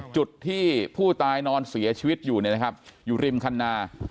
จุดที่ผู้ตายนอนเสียชีวิตอยู่เนี่ยนะครับอยู่ริมคันนา